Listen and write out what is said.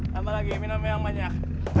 tambah lagi minum yang banyak